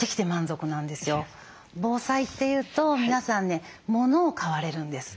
防災っていうと皆さんねものを買われるんです。